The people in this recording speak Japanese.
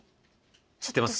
知ってますか？